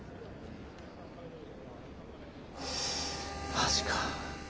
マジか。